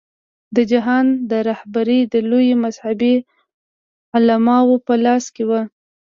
د جهاد رهبري د لویو مذهبي علماوو په لاس کې وه.